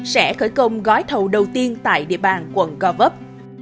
sẽ khởi công gói thầu đầu tiên tại địa bàn quận govup